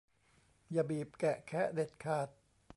อย่าบีบแกะแคะเด็ดขาด